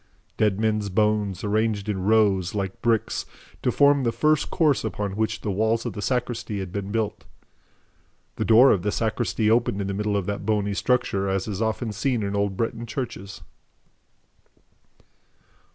Dead men's bones, arranged in rows, like bricks, to form the first course upon which the walls of the sacristy had been built. The door of the sacristy opened in the middle of that bony structure, as is often seen in old Breton churches.